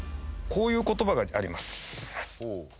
こういう言葉があります。